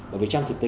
bởi vì trong thực tế